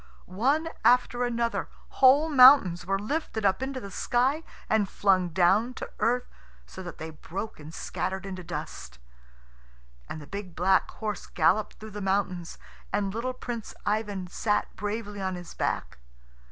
One after another whole mountains were lifted up into the sky and flung down to earth, so that they broke and scattered into dust. And the big black horse galloped through the mountains, and little Prince Ivan sat bravely on his back.